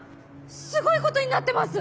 すごいことになってます！